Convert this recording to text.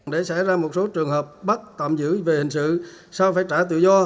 để xảy ra một số trường hợp bắt tạm giữ về hình sự sau phải trả tự do